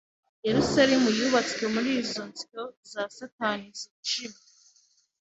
Yerusalemu yubatswe Muri izo nsyo za satani zijimye